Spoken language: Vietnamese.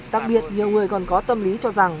đặc biệt nhiều người còn có tâm lý cho rằng